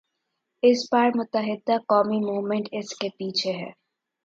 اس بار متحدہ قومی موومنٹ اس کے پیچھے ہے۔